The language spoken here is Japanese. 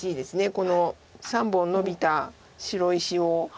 この３本ノビた白石を。